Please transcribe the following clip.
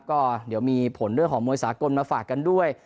ก็เดี๋ยวมีผลเรื่องของมวยสากลมาฝากกันด้วย